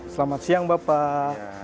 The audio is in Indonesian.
selamat siang bapak